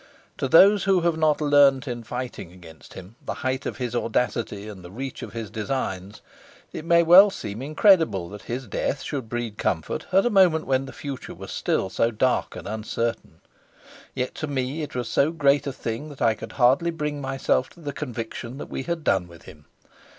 To those who have not learnt in fighting against him the height of his audacity and the reach of his designs, it may well seem incredible that his death should breed comfort at a moment when the future was still so dark and uncertain. Yet to me it was so great a thing that I could hardly bring myself to the conviction that we had done with him.